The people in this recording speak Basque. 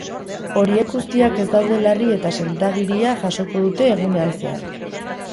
Horiek guztiak ez daude larri eta sendagiria jasoko dute egunean zehar.